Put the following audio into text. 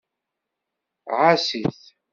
Ɛass-it.